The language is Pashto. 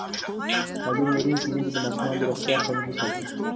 تعلیم لرونکې میندې د ماشومانو روغتیا خوندي ساتي.